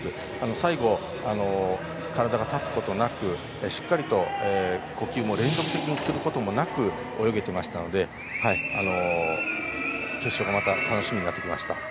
最後、体が立つことなくしっかりと呼吸も連続的にすることもなく泳げていましたので決勝がまた楽しみになってきました。